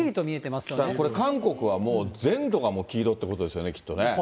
これ、韓国はもう、全土がもう黄色ってことですよね、きっとね。